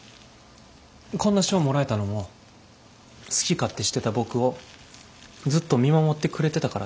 こんな賞もらえたのも好き勝手してた僕をずっと見守ってくれてたからです。